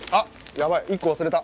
やばい１個忘れた。